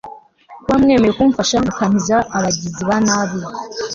kuba mwemeye kumfasha mukankiza abagizi ba nabi